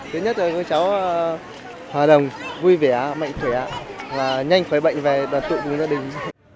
thứ nhất là các cháu hòa đồng vui vẻ mạnh khỏe và nhanh khỏe bệnh về và tụi cùng gia đình